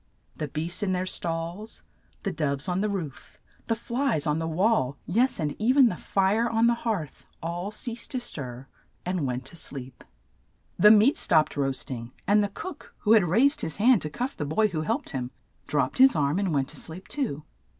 The beasts in their stalls, the doves on the roof, the flies on the wall, yes, and e ven the fire on the hearth, all ceased to stir and went to BEHIND THE HANGINGS. 84 THE SLEEPING BEAUTY sleep. The meat stopped roast ing, and the cook, who had raised his hand to cuff the boy who helped him, dropped his arm and went to sleep too.